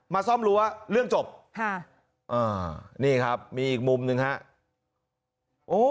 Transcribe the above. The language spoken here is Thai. ซ่อมรั้วเรื่องจบค่ะอ่านี่ครับมีอีกมุมหนึ่งฮะ